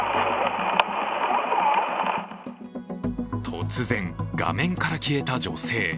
突然、画面から消えた女性。